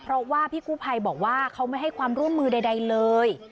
เพราะว่าพี่กู้ภัยบอกว่าเขาไม่ให้ความร่วมมือใดเลย